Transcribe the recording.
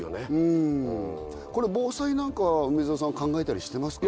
これ防災なんかは梅沢さん考えたりしてますか？